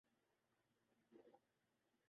انہوں نے جو کرنا تھا۔